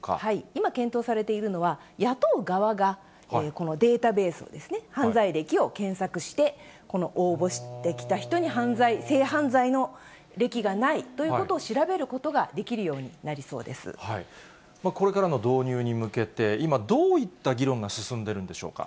今検討されているのは、野党側がこのデータベースを、犯罪歴を検索して、この応募してきた人に、性犯罪の歴がないということを調べることができるようになりそうこれからの導入に向けて、今、どういった議論が進んでるんでしょうか。